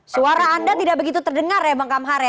suara anda tidak begitu terdengar ya